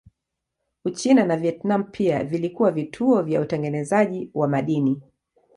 Uchina na Vietnam pia vilikuwa vituo vya utengenezaji wa madini.